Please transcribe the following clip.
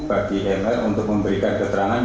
bagi i n r untuk memberikan keterangan